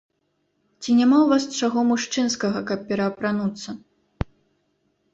Ці няма ў вас чаго мужчынскага, каб пераапрануцца?